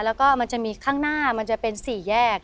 แล้วก็มันจะมีข้างหน้ามันจะเป็นสี่แยก